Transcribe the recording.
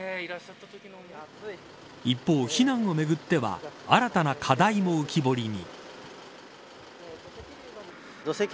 一方、避難をめぐっては新たな課題も浮き彫りに。